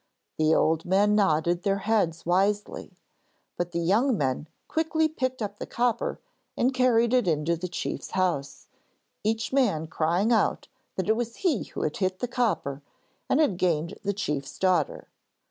The old men nodded their heads wisely, but the young men quickly picked up the copper and carried it into the chief's house, each man crying out that it was he who had hit the copper and had gained the chief's daughter.